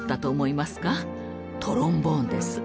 トロンボーンです。